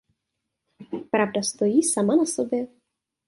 Pravda stojí sama na sobě.